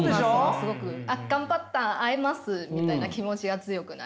すごく頑張った会えますみたいな気持ちが強くなります。